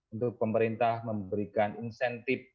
untuk pemerintah memberikan insentif